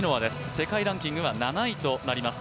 世界ランキングは７位となります。